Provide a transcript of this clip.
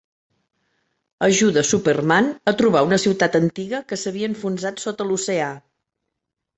Ajuda Superman a trobar una ciutat antiga que s'havia enfonsat sota l'oceà.